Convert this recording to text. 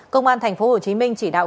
công an thành phố hồ chí minh chỉ đạo